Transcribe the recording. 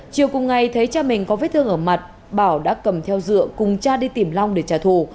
chiều cùng ngày thấy cha mình có vết thương ở mặt bảo đã cầm theo dựa cùng cha đi tìm long để trả thù